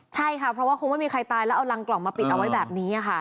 ใช่ค่ะเพราะว่าคงไม่มีใครตายแล้วเอารังกล่องมาปิดเอาไว้แบบนี้ค่ะ